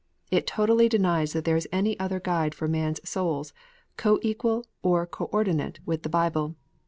It totally denies that there is any other guide for man s soul, co equal or co ordinate with the Bible.